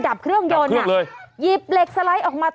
ดับเครื่องโยนดับเครื่องเลยหยีบเหล็กสไลด์ออกมา